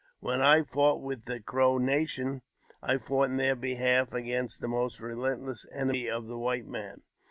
When I fought with the Crow natio^ I fought in their behalf against the most relentless enemies the white man.